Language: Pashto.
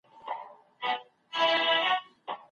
که لامبو وکړو نو بدن نه سستیږي.